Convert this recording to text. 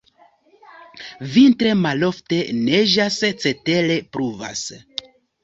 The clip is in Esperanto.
Vintre malofte neĝas, cetere pluvas.